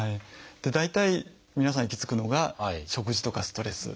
大体皆さん行き着くのが「食事」とか「ストレス」。